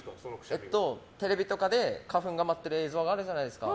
テレビとかで花粉が舞ってる映像があるじゃないですか。